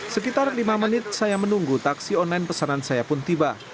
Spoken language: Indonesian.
sekitar lima menit saya menunggu taksi online pesanan saya pun tiba